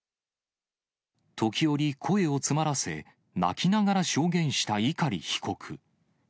時折、声を詰まらせ、泣きながら証言した碇被告。